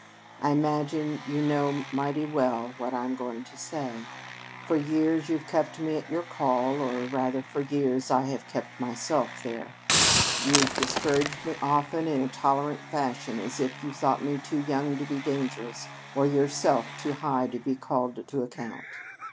"I imagine you know mighty well what I'm going to say. For years you've kept me at your call or, rather, for years I have kept myself there. You've discouraged me often, in a tolerant fashion, as if you thought me too young to be dangerous, or yourself too high up to be called to account.